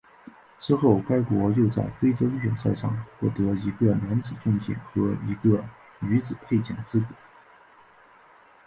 之后该国又在非洲预选赛上获得一个男子重剑和一个女子佩剑资格。